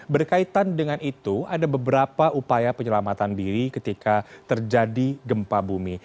berkaitan dengan itu ada beberapa upaya penyelamatan diri ketika terjadi gempa bumi